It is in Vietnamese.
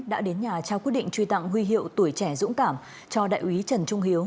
đã đến nhà trao quyết định truy tặng huy hiệu tuổi trẻ dũng cảm cho đại úy trần trung hiếu